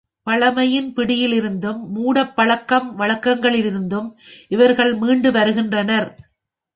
பழமையின் பிடிப்பிலிருந்தும், மூடப்பழக்க வழக்கங்களிலிருந்தும் இவர்கள் மீண்டு வருகின்றனர்.